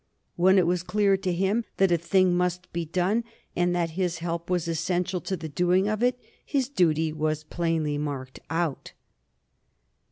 When it was clear to him that a thing must be done, and that his help was essential to the doing of it, his duty was plainly marked out."